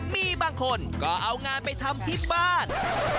มีบางคนก็เอางานไปทำที่บ้าน